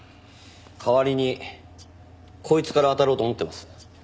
代わりにこいつからあたろうと思ってます。